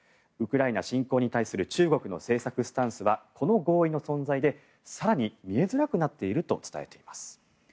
ウクライナ侵攻に対する中国の政策スタンスはこの合意の存在で更に見えづらくなっていると伝えています。